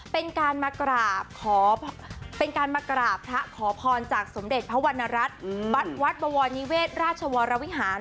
เป็นการมากราบพระขอพรจากสมเด็จพระวรรณรัฐวัดวัดบวรนิเวศราชวรวิหาร